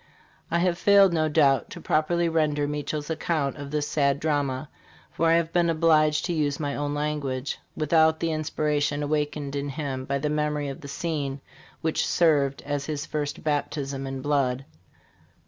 "I have failed, no doubt, to properly render Meachelle's account of this sad drama, for I have been obliged to use my own language, without the in spiration awakened in him by the memory of the scene which served as his first baptism in blood.